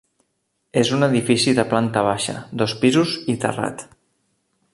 És un edifici de planta baixa, dos pisos i terrat.